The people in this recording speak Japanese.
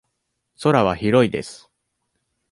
空は広いです。